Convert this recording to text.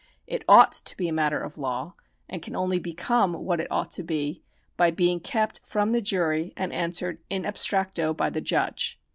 It ought to be a matter of law, and can only become what it ought to be, by being kept from the jury and answered in abstracto by the judge.